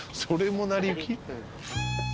それもなりゆき？